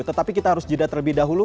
tetapi kita harus jeda terlebih dahulu